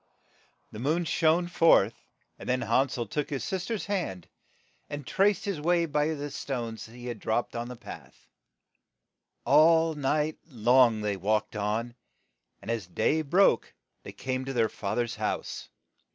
The moon soon shone forth, and then Han sel took his sister's hand, and traced his way by the stones he had dropped on the path. All night long they walked on, and as day broke they came to their fath er's house.